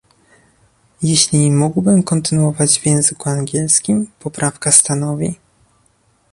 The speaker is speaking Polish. Jeśli mógłbym kontynuować w języku angielskim, poprawka stanowi